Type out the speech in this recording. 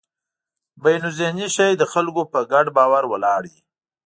بینالذهني شی د خلکو په ګډ باور ولاړ وي.